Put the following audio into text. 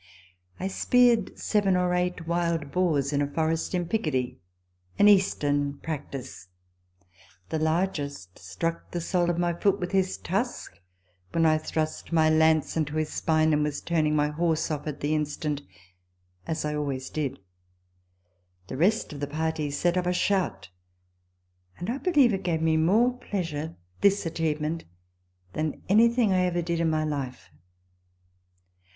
I speared seven or eight wild boars in a forest in Picardy an Eastern practice. The largest struck the sole of my foot with his tusk, when I thrust my lance into his spine, and was turning my horse off at the instant, as I always did. The rest of the party set up a shout, and I believe it gave me more pleasure, this achievement, than anything I ever did in my life.